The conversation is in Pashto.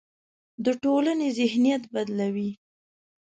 د ټولنې ذهنیت بدلوي.